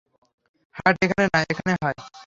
Heart এখানে না, এখানে হয়।